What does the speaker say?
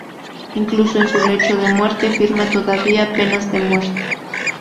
Incluso en su lecho de muerte firma todavía penas de muerte.